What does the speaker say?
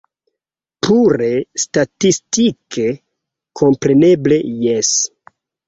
Pure statistike kompreneble jes.